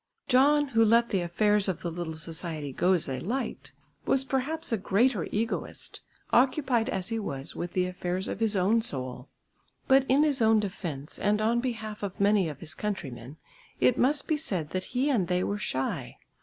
John who let the affairs of the little society go as they liked, was perhaps a greater egoist, occupied as he was with the affairs of his own soul. But in his own defence and on behalf of many of his countrymen it must be said that he and they were shy.